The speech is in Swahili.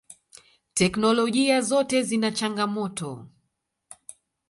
Technolojia zote zina changamoto.